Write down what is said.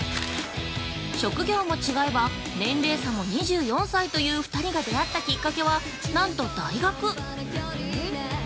職業も違えば年齢差も２４才という２人が出会ったきっかけは、なんと大学！